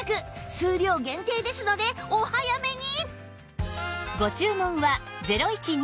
数量限定ですのでお早めに！